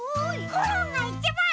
コロンがいちばん！